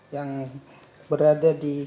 yang berada di